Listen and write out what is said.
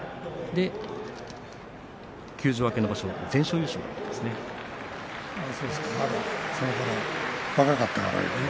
休場明けの場所は全勝優勝でした。